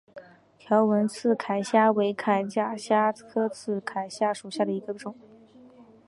条纹刺铠虾为铠甲虾科刺铠虾属下的一个种。